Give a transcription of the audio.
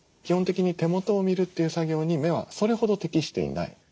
基本的に手元を見るという作業に目はそれほど適していない。